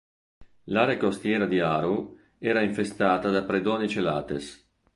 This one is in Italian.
L'area costiera di Aru era infestata da predoni Celates.